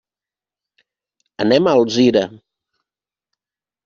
Anem a Alzira.